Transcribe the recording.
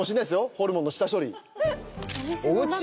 ホルモンの下処理。